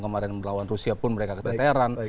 kemarin melawan rusia pun mereka keteteran